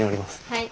はい。